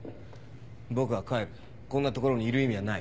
僕は帰るこんな所にいる意味はない。